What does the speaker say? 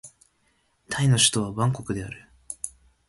タイの首都はバンコクである